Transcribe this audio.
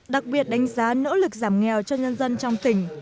đặc biệt đánh giá nỗ lực giảm nghèo cho nhân dân trong tỉnh